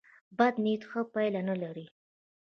بد نیت ښه پایله نه لري.